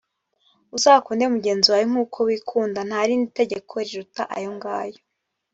uzakunde mugenzi wawe nk’uko wikunda nta rindi tegeko riruta ayo ngayo